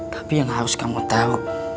tapi yang harus kamu tahu